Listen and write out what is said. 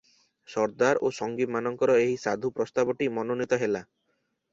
ସର୍ଦ୍ଦାର ଓ ସଙ୍ଗୀମାନଙ୍କର ଏହି ସାଧୁ ପ୍ରସ୍ତାବଟି ମନୋନୀତ ହେଲା ।